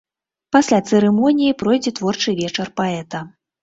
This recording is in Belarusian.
Пасля цырымоніі пройдзе творчы вечар паэта.